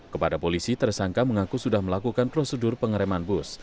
kepada polisi tersangka mengaku sudah melakukan prosedur pengereman bus